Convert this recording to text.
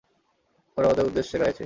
ওরা ওদের উদ্দেশ্যে গাইছে!